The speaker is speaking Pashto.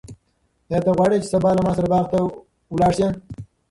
آیا ته غواړې چې سبا له ما سره باغ ته لاړ شې؟